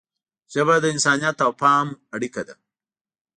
ژبه د انسانیت او فهم اړیکه ده